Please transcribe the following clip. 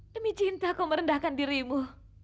demi cinta kau merendahkan dirimu